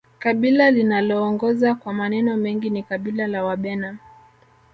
kabila linaloongoza kwa maneno mengi ni kabila la wabena